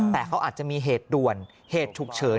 แต่เขาอาจจะมีเหตุด่วนเหตุฉุกเฉิน